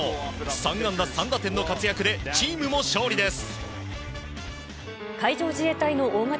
３安打３打点の活躍でチームも勝利です。